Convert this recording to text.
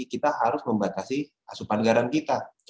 kita harus membatasi asupan garam kita